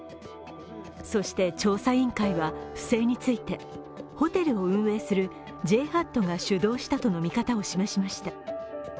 そして調査委員会は不正について、ホテルを運営するＪＨＡＴが主導したとの見方を示しました。